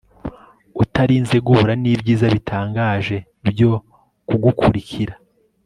Utarinze guhura nibyiza bitangaje byo kugukurikira